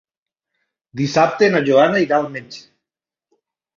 Dissabte na Joana irà al metge.